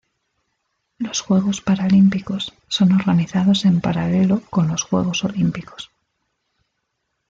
Los Juegos Paralímpicos son organizados en paralelo con los Juegos Olímpicos.